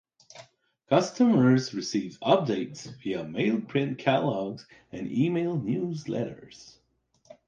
Customers receive updates via mailed print catalogues and emailed newsletters.